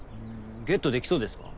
ゲットできそうですか？